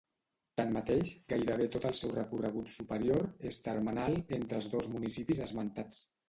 Tanmateix, gairebé tot el seu recorregut superior és termenal entre els dos municipis esmentats.